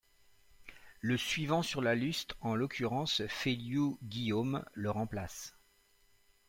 Le suivant sur la liste, en l’occurrence Feliu Guillaumes, le remplace.